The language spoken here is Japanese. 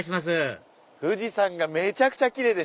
富士山がめちゃくちゃキレイ。